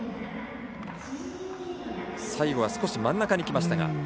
最後は少し真ん中にきましたが。